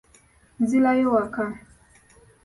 Nzirayo waka.